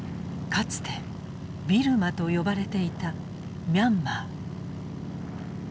かつてビルマと呼ばれていたミャンマー。